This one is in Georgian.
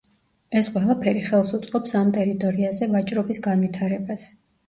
ეს ყველაფერი ხელს უწყობს ამ ტერიტორიაზე ვაჭრობის განვითარებას.